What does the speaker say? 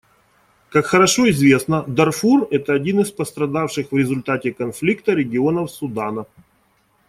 Как хорошо известно, Дарфур — это один из пострадавших в результате конфликта регионов Судана.